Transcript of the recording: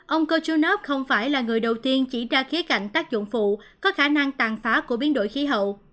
ông kochunov không phải là người đầu tiên chỉ ra khía cạnh tác dụng phụ có khả năng tàn phá của biến đổi khí hậu